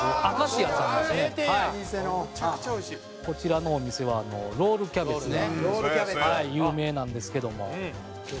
「こちらのお店はロールキャベツが有名なんですけども」